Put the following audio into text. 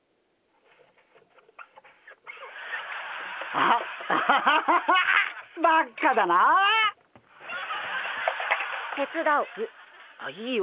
あっいいよ。